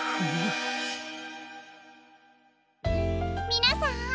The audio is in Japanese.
みなさん